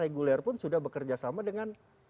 reguler pun sudah bekerja sama dengan